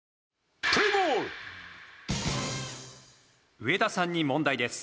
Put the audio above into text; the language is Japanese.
「上田さんに問題です」